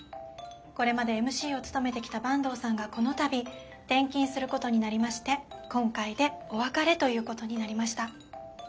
これまでＭＣを務めてきた坂東さんがこの度転勤することになりまして今回でお別れということになりました。